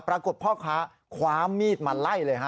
ปรากฏพ่อค้าคว้ามีดมาไล่เลยฮะ